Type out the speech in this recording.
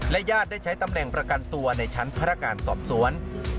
ญาติได้ใช้ตำแหน่งประกันตัวในชั้นพนักงานสอบสวน